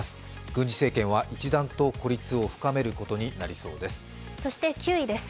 軍事政権は一段と孤立を深めることになりそうです。